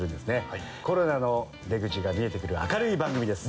コロナの出口が見えてくる明るい番組です。